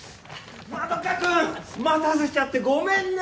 円君待たせちゃってごめんね。